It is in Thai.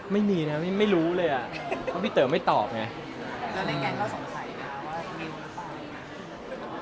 ไม่ใช่เรื่องนี้พี่เต๋อมีความรักไหม